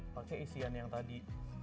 pakai isian yang tadi